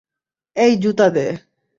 এই, জুতা দে।